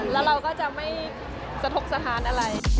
แล้วเราก็จะไม่สะทกสถานอะไร